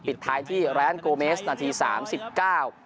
ปิดท้ายที่ร้านโกเมสนาทีสามสิบเก้า